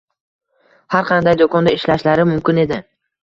har qanday doʻkonda ishlashlari mumkin edi.